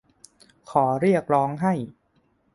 ขอเรียกร้องให้